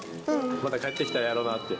また帰ってきたらやろうなって。